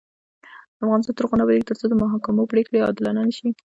افغانستان تر هغو نه ابادیږي، ترڅو د محاکمو پریکړې عادلانه نشي.